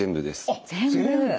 あっ全部！